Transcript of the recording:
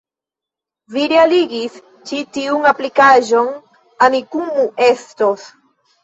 Vi realigis ĉi tiun aplikaĵon. Amikumu estos